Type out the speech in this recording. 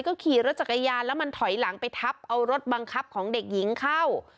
ก็ขี่รถจักรยานแล้วมันถอยหลังไปทับเอารถบังคับของเด็กหญิงเข้า